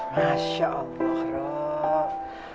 masya allah rok